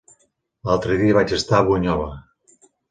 L'altre dia vaig estar a Bunyola.